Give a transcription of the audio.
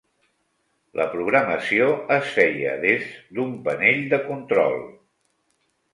La programació es feia des d'un panell de control.